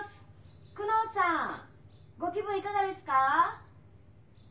久能さんご気分いかがですか？